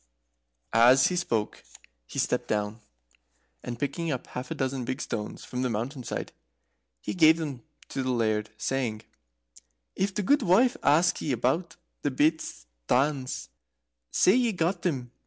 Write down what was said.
As he spoke he stooped down, and picking up half a dozen big stones from the mountain side, he gave them to the Laird, saying, "If the gudewife asks ye about the bit stanes, say ye got them in a compliment."